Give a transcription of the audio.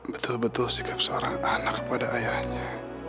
betul betul sikap seorang anak pada ayahnya